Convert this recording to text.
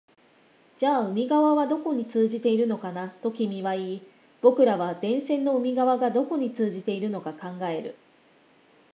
じゃあ海側はどこに通じているのかな、と君は言い、僕らは電線の海側がどこに通じているのか考える